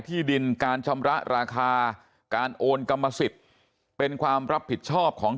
ที่ดินการชำระราคาการโอนกรรมสิทธิ์เป็นความรับผิดชอบของ